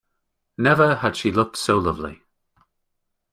Never had she looked so lovely.